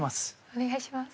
お願いします。